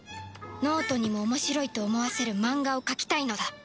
脳人にも面白いと思わせるマンガを描きたいのだ